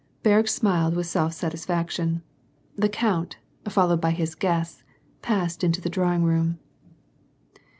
Berg smiled with self satisfaction. The count, followed by his guests, passed into the drawing room.